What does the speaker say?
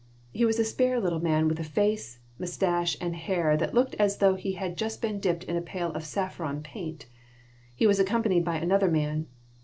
He was a spare little man with a face, mustache, and hair that looked as though he had just been dipped in a pail of saffron paint. He was accompanied by another man.